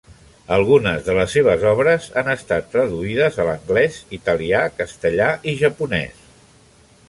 Algunes de les seves obres han estat traduïdes a l'anglès, italià, castellà i japonès.